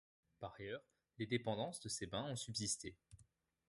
Par ailleurs, les dépendances de ces bains ont subsisté.